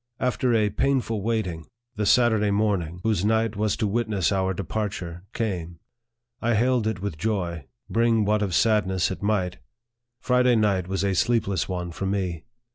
After a painful waiting, the Saturday morning, 88 NARRATIVE OF THE whos& night was to witness our departure, came. I hailed it with joy, bring what of sadness it might Friday night was a sleepless one for me.